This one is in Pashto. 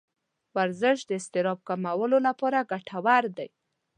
ورزش د اضطراب کمولو لپاره ګټور دی.